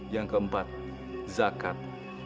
yang keempat zakat